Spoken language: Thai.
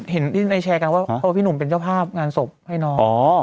เห็นที่ในแชร์กันว่าเพราะว่าพี่หนุ่มเป็นเจ้าภาพงานศพให้น้อง